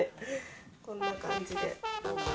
こんな感じで。